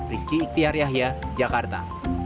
rizky iktiar yahya jakarta